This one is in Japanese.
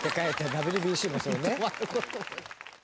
ＷＢＣもそうね。